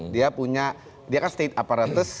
dia punya dia kan state aparatus